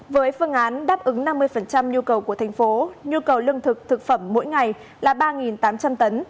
với phương án đáp ứng năm mươi nhu cầu của thành phố nhu cầu lương thực thực phẩm mỗi ngày là ba tám trăm linh tấn